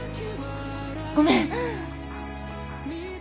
ごめん！